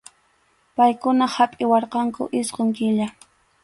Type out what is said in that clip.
Paykuna hapʼiwarqanku isqun killa.